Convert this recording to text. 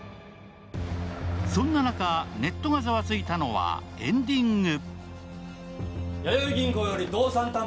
そんな中、ネットがざわついたのはエンディング。